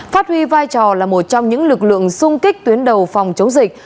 phát huy vai trò là một trong những lực lượng sung kích tuyến đầu phòng chống dịch